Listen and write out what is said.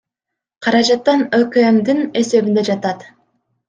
Каражаттан ӨКМдин эсебинде жатат.